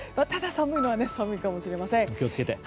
ただ、寒いのは寒いかもしれません。